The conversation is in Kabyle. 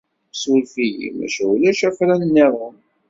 Ssuref-iyi, maca ulac afran niḍen.